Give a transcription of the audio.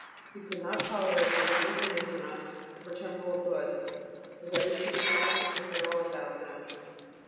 He could not tolerate any eagerness in us for temporal goods, or that we should be solicitous at all about them.